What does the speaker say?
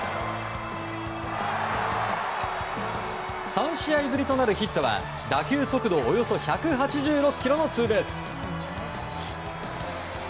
３試合ぶりとなるヒットは打球速度およそ１８６キロのツーベース。